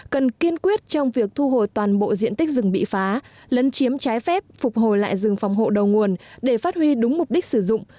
cần kiên quyết trong việc thu hồi toàn bộ diện tích rừng bị phá lấn chiếm trái phép phục hồi lại rừng phòng hộ đầu nguồn để phát huy đúng mục đích sử dụng